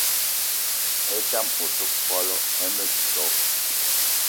E'dam ote kwolo ene too